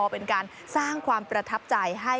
เป็นการสร้างความประทับใจให้